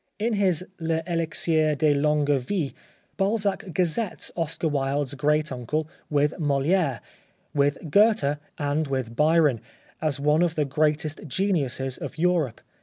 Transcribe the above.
In his " L'Elixir de longue Vie," Balzac gazettes Oscar Wilde's great uncle with Moliere, with Goethe and with Byron, as one of the greatest geniuses of Europe.